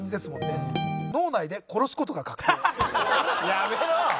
やめろ！